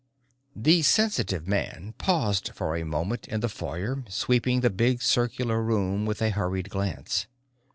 The sensitive man paused for a moment in the foyer, sweeping the big circular room with a hurried glance.